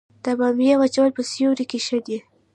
د بامیې وچول په سیوري کې ښه دي؟